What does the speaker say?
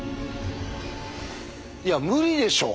いや無理でしょ！